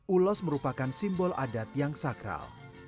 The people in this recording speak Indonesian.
ulos merupakan simbol adat yang sakral